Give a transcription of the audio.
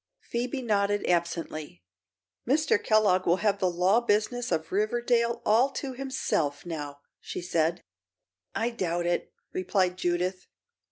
Phoebe nodded, absently. "Mr. Kellogg will have the law business of Riverdale all to himself, now," she said. "I doubt it," replied Judith.